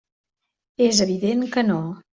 És evident que no.